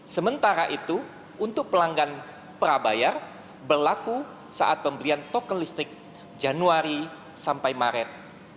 sementara itu untuk pelanggan prabayar berlaku saat pembelian token listrik januari maret dua ribu dua puluh satu